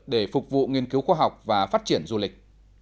để phục vụ nghiên cứu khoa học và phát triển du lịch